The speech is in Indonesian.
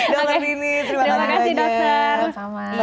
terima kasih dokter